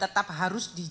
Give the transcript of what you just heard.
kegagalan dari apbn kita